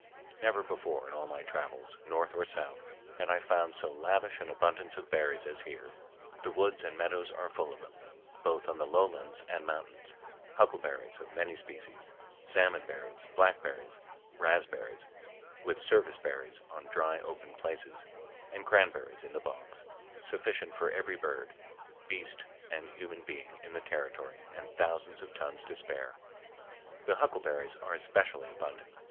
Never before in all my travels, north or south, had I found so lavish an abundance of berries as here. The woods and meadows are full of them, both on the lowlands and mountains—huckleberries of many species, salmon berries, blackberries, raspberries, with service berries on dry open places, and cranberries in the bogs, sufficient for every bird, beast, and human being in the territory and thousands of tons to spare. The huckleberries are especially abundant.